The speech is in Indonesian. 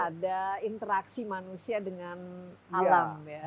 ada interaksi manusia dengan alam ya